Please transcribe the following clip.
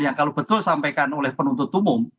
yang kalau betul sampaikan oleh penuntut umum